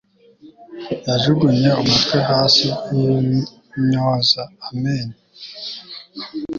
yajugunye umutwe hasi yinyoza amenyo